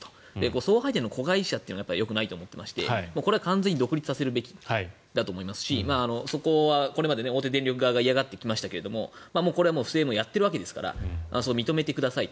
送配電の子会社というのがよくないと思っていてこれは完全に独立させるべきだしそこはこれまで大手電力側が嫌がっていましたが不正はやっていたわけですから認めてくださいと。